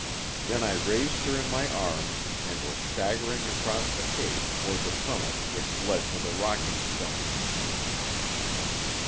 Then I raised her in my arms and was staggering across the cave toward the tunnel which led to the rocking stone.